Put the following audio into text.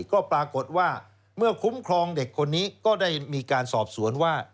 ก็ปรากฏว่าเมื่อคุ้มครองเด็กคนนี้ก็ได้มีการสอบสวนว่า